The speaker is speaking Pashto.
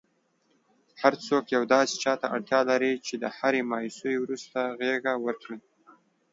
هرڅوک یو داسي چاته اړتیا لري چي د هري مایوسۍ وروسته غیږه ورکړئ.!